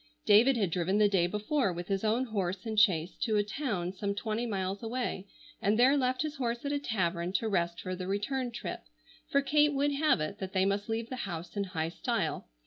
David had driven the day before with his own horse and chaise to a town some twenty miles away, and there left his horse at a tavern to rest for the return trip, for Kate would have it that they must leave the house in high style.